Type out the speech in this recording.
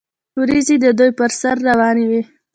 وریځې د دوی پر سر روانې وې.